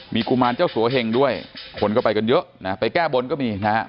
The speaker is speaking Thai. มีกุมารเจ้าสัวเหงด้วยคนก็ไปกันเยอะนะไปแก้บนก็มีนะฮะ